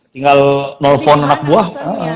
tinggal nelfon anak buah